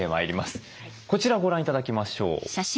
こちらご覧頂きましょう。